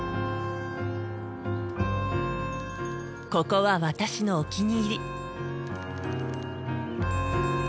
ここは私のお気に入り。